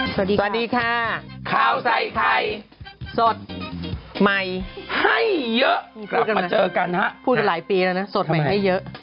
สวัสดีค่ะข้าวใส่ไข่สดใหม่ให้เยอะกลับมาเจอกันฮะพูดกันหลายปีแล้วนะสดใหม่ให้เยอะ